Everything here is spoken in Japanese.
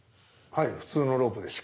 はい普通のロープです。